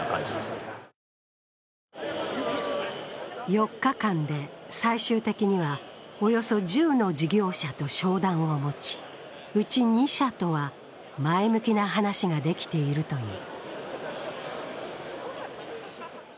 ４日間で最終的にはおよそ１０の事業者と商談を持ち、うち２社とは、前向きな話ができているという。